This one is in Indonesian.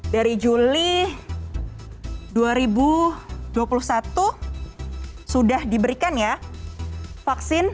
dari juli dua ribu dua puluh satu sudah diberikan ya vaksin